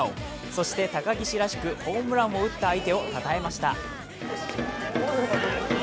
そして、高岸らしくホームランを打った相手をたたえました。